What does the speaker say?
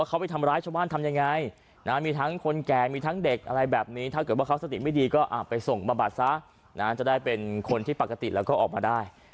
เอือมระอาจกันหมดแล้วตอนนี้มแวง